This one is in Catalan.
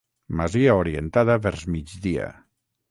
Masia orientada vers migdia.